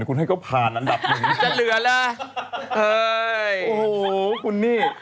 เก่งมากมากกูไปดู